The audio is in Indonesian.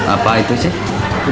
apa itu sih